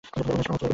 ওরা সবাই চলে গেছে!